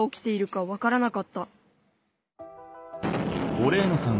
オレーナさん